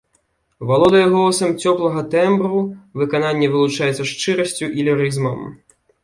Валодае голасам цёплага тэмбру, выкананне вылучаецца шчырасцю і лірызмам.